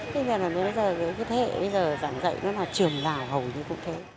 bây giờ là bây giờ cái thế hệ bây giờ giảng dạy nó là trường nào hầu như cũng thế